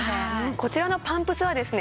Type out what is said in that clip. こちらのパンプスはですね